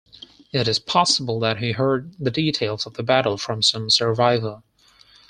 It is possible that he heard the details of the battle from some survivor.